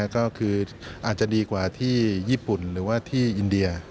ก็คืออาจจะดีกว่าที่ญี่ปุ่นหรือว่าที่อินเดีย